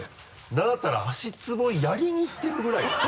なんだったら足つぼやりにいってるぐらいよね。